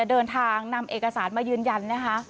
เดินทางนำเอกสารมายืนยันนะคะ